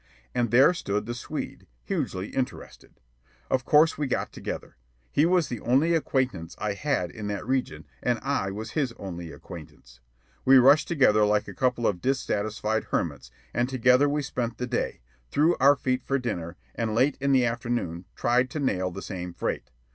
And there stood the Swede, hugely interested. Of course we got together. He was the only acquaintance I had in that region, and I was his only acquaintance. We rushed together like a couple of dissatisfied hermits, and together we spent the day, threw our feet for dinner, and late in the afternoon tried to "nail" the same freight.